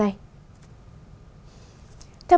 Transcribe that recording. huyện phủ mỹ